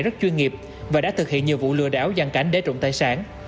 rất chuyên nghiệp và đã thực hiện nhiều vụ lừa đảo giàn cảnh để trộm tài sản